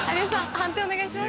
判定お願いします。